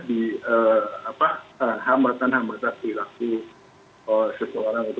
di hamatan hamatan di laku seseorang untuk melakukan sesuatu